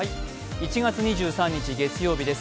１月２３日月曜日です。